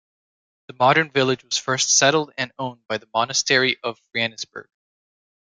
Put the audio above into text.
The modern village was first settled and owned by the Monastery of Frienisberg.